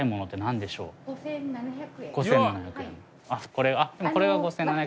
これが５，７００円。